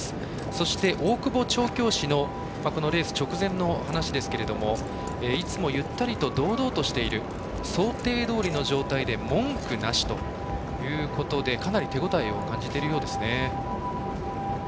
そして、大久保調教師のレース直前の話ですけれどもいつもゆったりと堂々としている想定どおりの状態で文句なしということでかなり手応えを感じているようですね。